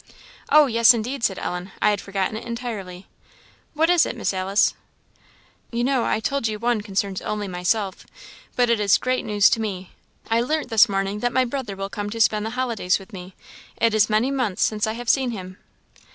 "Oh, yes, indeed," said Ellen; "I had forgotten it entirely; what is it, Miss Alice?" "You know, I told you one concerns only myself, but it is great news to me. I learnt this morning that my brother will come to spend the holidays with me. It is many months since I have seen him."